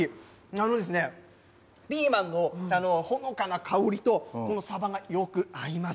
ピーマンの、ほのかな香りとさばがよく合います。